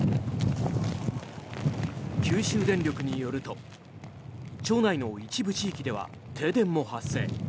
九州電力によると町内の一部地域では停電も発生。